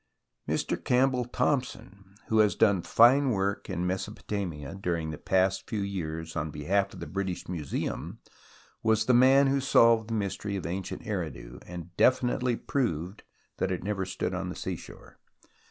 Mr. Campbell Thomson, who has done fine work in Mesopotamia during the past few years on behalf of the British Museum, was the man who solved the mystery of ancient Eridu, and definitely proved that it never stood on the seashore.